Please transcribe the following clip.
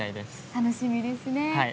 楽しみですね。